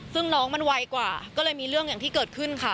ซึ่งน้องมันไวกว่าก็เลยมีเรื่องอย่างที่เกิดขึ้นค่ะ